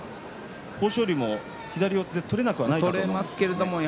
豊昇龍も左四つで取れなくはないですよね。